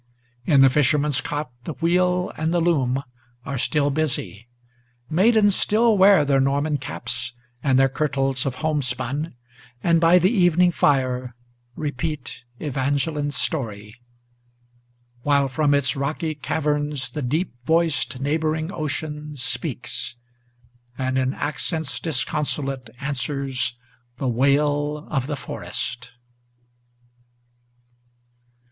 In the fisherman's cot the wheel and the loom are still busy; Maidens still wear their Norman caps and their kirtles of homespun, And by the evening fire repeat Evangeline's story. While from its rocky caverns the deep voiced, neighboring ocean Speaks, and in accents disconsolate answers the wail of the forest.